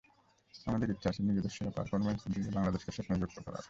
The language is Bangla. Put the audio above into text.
আমাদের ইচ্ছা আছে নিজেদের সেরা পারফরম্যান্স দিয়ে বাংলাদেশকে সেখানে যুক্ত করার।